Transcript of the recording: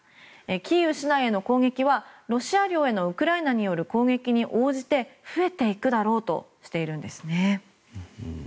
キーウ市内への攻撃はロシア領へのウクライナによる攻撃に応じて増えていくだろうとしているんですね。